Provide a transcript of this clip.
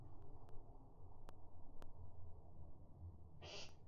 Research Center inakadiria kwamba mwaka elfu mbili hamsini watazi bilioni